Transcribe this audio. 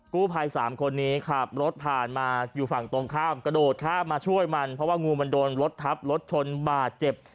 กู้ภัยสามคนนี้ขับรถผ่านมาอยู่ฝั่งตรงข้ามกระโดดข้ามมาช่วยมันเพราะว่างูมันโดนรถทับรถชนบาดเจ็บ